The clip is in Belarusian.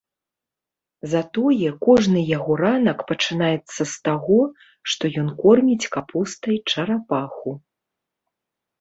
Затое кожны яго ранак пачынаецца з таго, што ён корміць капустай чарапаху.